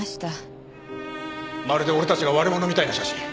まるで俺たちが悪者みたいな写真。